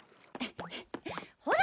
ほら！